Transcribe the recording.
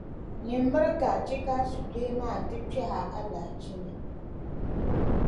nyin’ miri ka a chɛ ka a sujee maa ti kpɛh’ a alahichi ni.